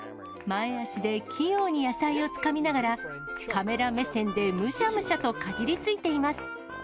前足で器用に野菜をつかみながら、カメラ目線でむしゃむしゃとかじりついています。